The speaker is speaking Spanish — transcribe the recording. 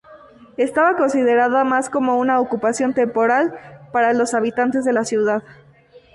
Estaba considerada más como una ocupación temporal para los habitantes de la ciudad.